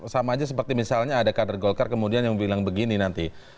sama aja seperti misalnya ada kader golkar kemudian yang bilang begini nanti